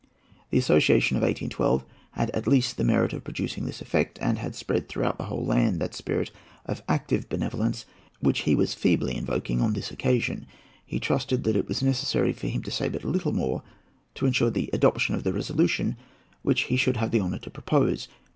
The association of 1812 had at least the merit of producing this effect, and had spread through the whole land that spirit of active benevolence which he was feebly invoking on this occasion. He trusted that it was necessary for him to say but little more to insure the adoption of the resolution which he should have the honour to propose.